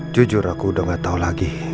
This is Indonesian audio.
jujur aku udah gak tahu lagi